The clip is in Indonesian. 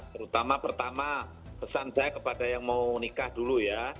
terutama pertama pesan saya kepada yang mau nikah dulu ya